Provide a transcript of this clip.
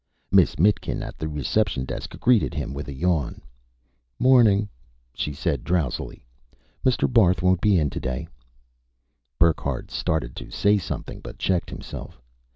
Miss Mitkin, at the reception desk, greeted him with a yawn. "Morning," she said drowsily. "Mr. Barth won't be in today." Burckhardt started to say something, but checked himself.